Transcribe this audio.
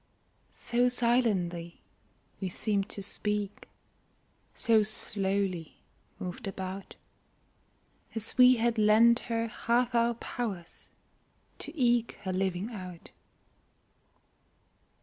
So silently we seemed to speak, So slowly moved about, As we had lent her half our powers To eke her living out.